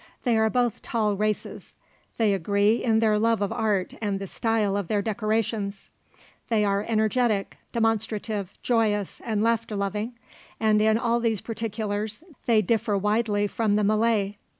They are both tall races. They agree in their love of art and the style of their decorations. They are energetic, demonstrative, joyous, and laughter loving, and in all these particulars they differ widely from the Malay.